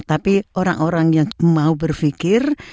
tapi orang orang yang mau berpikir